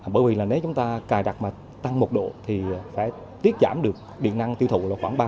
bởi vì nếu chúng ta cài đặt mà tăng một độ thì phải tiết giảm được điện năng tiêu thụ khoảng ba